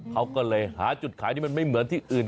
เขาก็เลยหาจุดขายที่มันไม่เหมือนที่อื่น